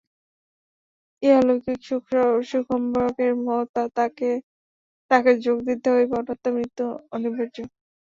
ইহলৌকিক সুখসম্ভোগের মত্ততায় তাহাকে যোগ দিতে হইবে, অন্যথা মৃত্যু অনিবার্য।